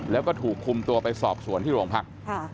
แล้วก็ถูกคุมตัวไปสอบสวนที่โรงพัก